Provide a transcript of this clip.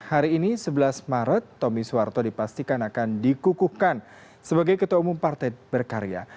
hari ini sebelas maret tommy soeharto dipastikan akan dikukuhkan sebagai ketua umum partai berkarya